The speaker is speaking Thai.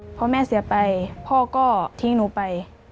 พอแม่เสียไปพ่อก็ทิ้งหนูไป